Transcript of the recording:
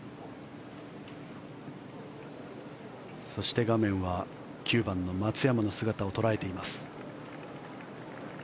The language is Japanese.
そして、画面は９番の松山の姿を捉えています。